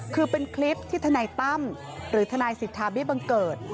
คือเป็นคลิปที่ธนายตั้มธนายสิทธาเบี้ยเบื้องเกิด